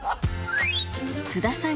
津田さん